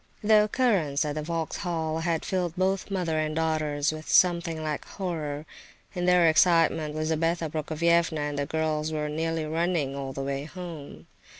The occurrence at the Vauxhall had filled both mother and daughters with something like horror. In their excitement Lizabetha Prokofievna and the girls were nearly running all the way home.